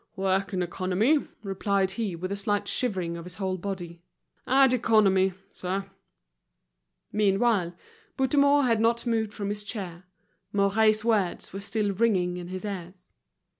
"Work and economy," replied he, with a slight shivering of his whole body. "Add economy, sir." Meanwhile, Bouthemont had not moved from his chair, Mouret's words were still ringing in his ears.